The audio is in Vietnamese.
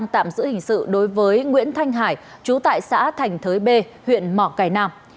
tạm giữ hình sự đối với nguyễn thanh hải chú tại xã thành thới b huyện mỏ cài nam